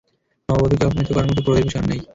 নববধূকে অপমানিত করার মত ক্রোধের বিষয় আর নেই।